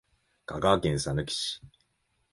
香川県さぬき市